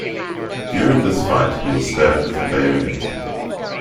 During this fight he was stabbed with a bayonet.